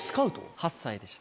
８歳でした。